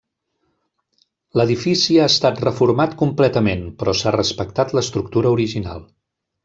L'edifici ha estat reformat completament però s'ha respectat l'estructura original.